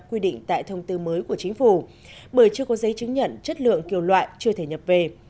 quy định tại thông tư mới của chính phủ bởi chưa có giấy chứng nhận chất lượng kiểu loại chưa thể nhập về